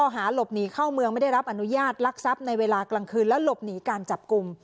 หาหลบหนีเข้าเมืองไม่ได้รับอนุญาตลักทรัพย์ในเวลากลางคืนและหลบหนีการจับกลุ่ม